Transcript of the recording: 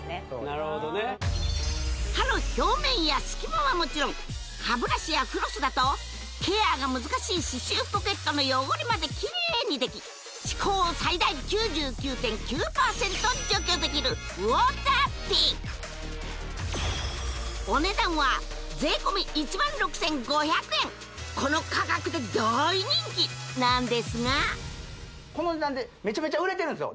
なるほどね歯の表面や隙間はもちろん歯ブラシやフロスだとケアが難しい歯周ポケットの汚れまでキレイにでき歯垢を最大９９．９％除去できるウォーターピックお値段はこの価格で大人気なんですがこの値段でめちゃめちゃ売れてるんですよ